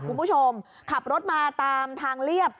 คุณผู้ชมขับรถมาตามทางเรียบ